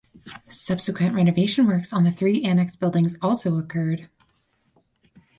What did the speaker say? Subsequent renovation works on the three annex buildings also occurred.